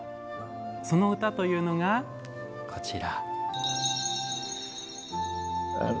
その歌というのがこちら。